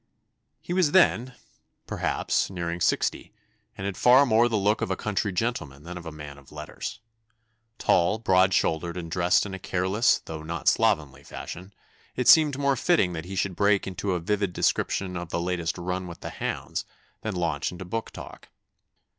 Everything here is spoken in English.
He was then, perhaps, nearing sixty, and had far more the look of a country gentleman than of a man of letters. Tall, broad shouldered, and dressed in a careless though not slovenly fashion, it seemed more fitting that he should break into a vivid description of the latest run with the hounds than launch into book talk.